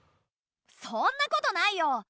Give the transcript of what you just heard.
そんなことないよ。